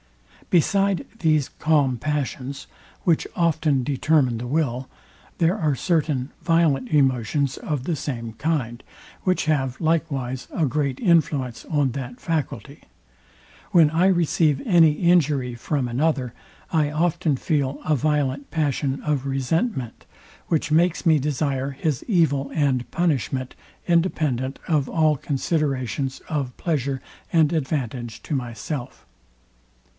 Beside these calm passions, which often determine the will, there are certain violent emotions of the same kind, which have likewise a great influence on that faculty. When I receive any injury from another, I often feel a violent passion of resentment, which makes me desire his evil and punishment, independent of all considerations of pleasure and advantage to myself.